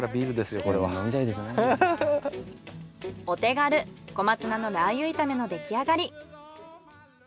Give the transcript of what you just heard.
お手軽小松菜のラー油炒めのできあがり。